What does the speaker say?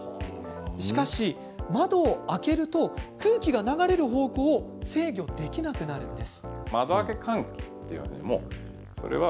しかし、窓を開けると空気が流れる方向を制御できなくなるのです。